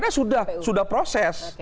betul karena sudah proses